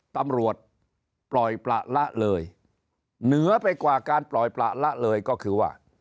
ตำรวจปล่อยประละเลยเหนือไปกว่าการปล่อยประละเลยก็คือว่า